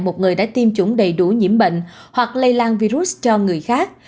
một người đã tiêm chủng đầy đủ nhiễm bệnh hoặc lây lan virus cho người khác